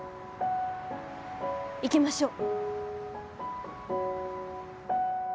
行きましょう。